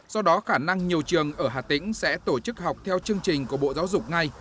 do đó khả năng nhiều trường ở hà tĩnh sẽ tổ chức học theo chương trình của bộ giáo dục ngay